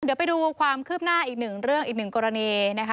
เดี๋ยวไปดูความคืบหน้าอีกหนึ่งเรื่องอีกหนึ่งกรณีนะคะ